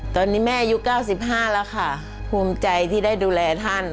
ตอนนี้แม่อายุ๙๕แล้วค่ะภูมิใจที่ได้ดูแลท่าน